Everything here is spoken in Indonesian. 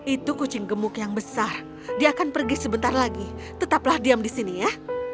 itu kucing gemuk yang besar dia akan pergi sebentar lagi tetaplah diam di sini ya